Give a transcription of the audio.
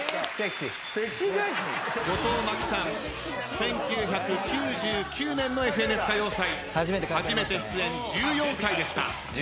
１９９９年の『ＦＮＳ歌謡祭』初めて出演１４歳でした。